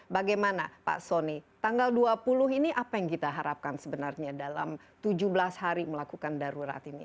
bagaimana pak soni tanggal dua puluh ini apa yang kita harapkan sebenarnya dalam tujuh belas hari melakukan darurat ini